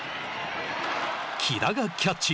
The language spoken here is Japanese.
木田がキャッチ。